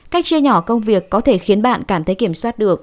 cách chia nhỏ công việc có thể khiến bạn cảm thấy kiểm soát được